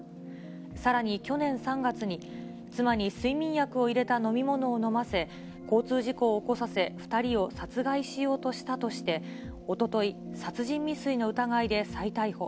さらに去年３月に、妻に睡眠薬を入れた飲み物を飲ませ、交通事故を起こさせ、２人を殺害しようとしたとして、おととい、殺人未遂の疑いで再逮捕。